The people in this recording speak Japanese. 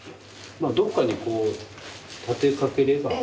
どっかにこう立てかければ。